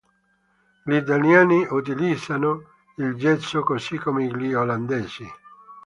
Gli italiani utilizzavano il gesso così come gli olandesi.